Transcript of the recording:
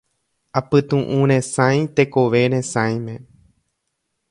Apytuʼũ resãi tekove resãime.